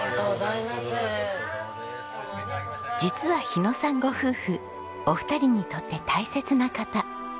実は日野さんご夫婦お二人にとって大切な方。